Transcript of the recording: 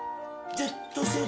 Ｚ世代。